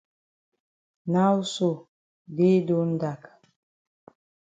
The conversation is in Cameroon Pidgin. Now so day don dak.